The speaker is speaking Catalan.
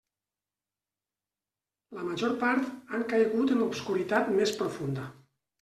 La major part han caigut en l'obscuritat més profunda.